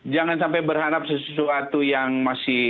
jangan sampai berharap sesuatu yang masih